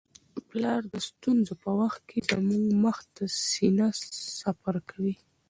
پلار د ستونزو په وخت کي زموږ مخ ته سینه سپر کوي.